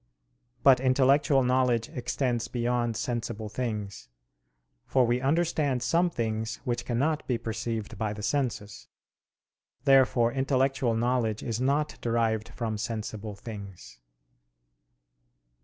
But intellectual knowledge extends beyond sensible things: for we understand some things which cannot be perceived by the senses. Therefore intellectual knowledge is not derived from sensible things.